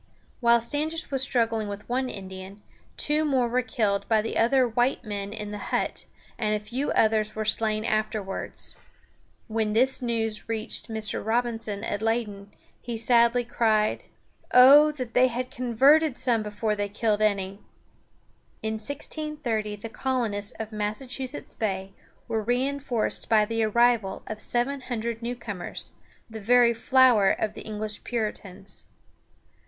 While Standish was struggling with one Indian, two more were killed by the other white men in the hut, and a few others were slain afterwards. When this news reached Mr. Robinson at Leyden, he sadly cried: "Oh, that they had converted some before they killed any!" In 1630 the colonists of Massachusetts Bay were reinforced by the arrival of seven hundred newcomers, "the very flower of the English Puritans."